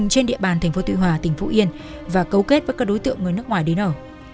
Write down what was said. trên địa bàn tp tuy hòa tỉnh phú yên và cấu kết với các đối tượng người nước ngoài đến ở